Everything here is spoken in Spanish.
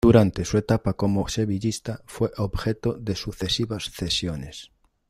Durante su etapa como sevillista fue objeto de sucesivas cesiones.